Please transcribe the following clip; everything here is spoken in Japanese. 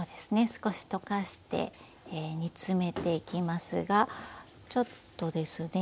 少し溶かして煮詰めていきますがちょっとですね